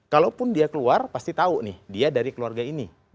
kalaupun dia keluar pasti tahu nih dia dari keluarga ini